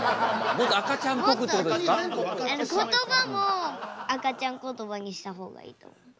もっとことばも赤ちゃんことばにした方がいいと思った。